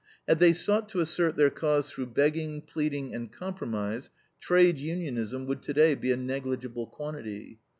Had they sought to assert their cause through begging, pleading, and compromise, trade unionism would today be a negligible quantity.